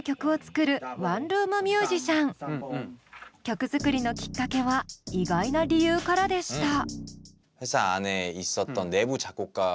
曲作りのきっかけは意外な理由からでした。